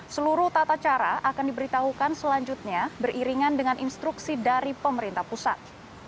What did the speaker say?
seluruh tata cara akan diberitahukan selanjutnya beriringan dengan instruksi dari pemerintah pusat